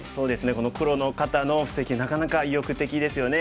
この黒の方の布石なかなか意欲的ですよね。